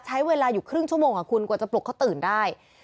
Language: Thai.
ใช้เวลาอยู่ครึ่งชั่วโมงคุณกว่าจะปลุกเขาตื่นได้